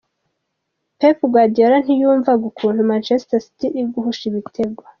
Pep Guardiola ntiyumvaga ukuntu Manchester City iri guhusha ibitego.